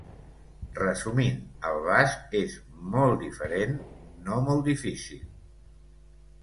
Resumint, el basc és molt diferent, no molt difícil!